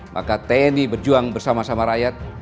maka tni berjuang bersama sama rakyat